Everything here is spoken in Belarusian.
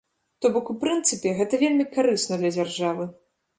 То бок, у прынцыпе, гэта вельмі карысна для дзяржавы.